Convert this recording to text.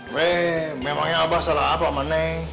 weh memangnya abah salah apa mana